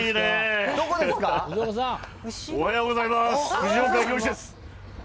藤岡弘、です。